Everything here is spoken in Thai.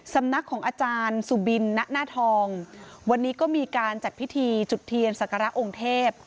สำนักของอาจารย์สุบินณหน้าทองวันนี้ก็มีการจัดพิธีจุดเทียนศักระองค์เทพ